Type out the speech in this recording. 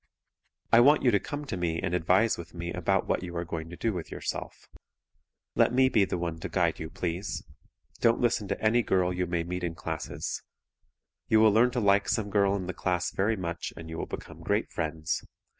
I want you to come to me and advise with me about what you are going to do with yourself. Let me be the one to guide you, please. Don't listen to any girl you may meet in classes. You will learn to like some girl in the class very much and you will become great friends.